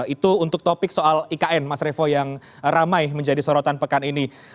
itu untuk topik soal ikn mas revo yang ramai menjadi sorotan pekan ini